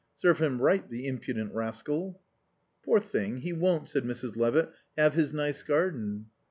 Serve him right, the impudent rascal. "Poor thing, he won't," said Mrs. Levitt, "have his nice garden."